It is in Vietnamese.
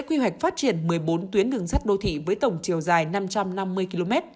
quy hoạch phát triển một mươi bốn tuyến đường sắt đô thị với tổng chiều dài năm trăm năm mươi km